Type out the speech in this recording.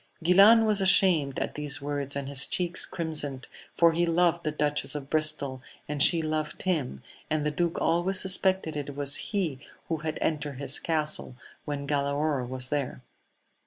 Guilan was ashamed \ these words, and his cheeks crimsoned, for he love the Duchess of Bristol and she loved him, and tl duke always suspected it was he who had entered h castle when Galaor was there.